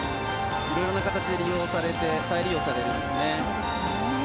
いろいろな形で再利用されるんですね。